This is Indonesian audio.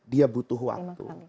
dia butuh waktu